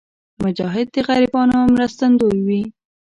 مجاهد د غریبانو مرستندوی وي.